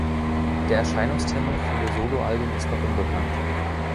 Der Erscheinungstermin für ihr Solo-Album ist noch unbekannt.